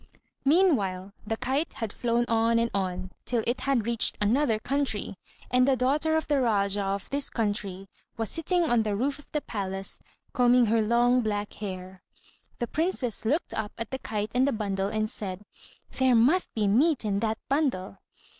Meanwhile the kite had flown on and on till it had reached another country, and the daughter of the Rájá of this country was sitting on the roof of the palace, combing her long black hair. The princess looked up at the kite and the bundle, and said, "There must be meat in that bundle."